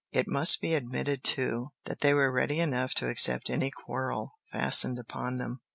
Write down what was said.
It must be admitted too that they were ready enough to accept any quarrel fastened upon them.